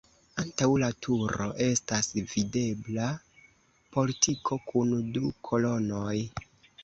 Antaŭ la turo estas videbla portiko kun du kolonoj.